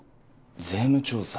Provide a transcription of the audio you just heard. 税務調査？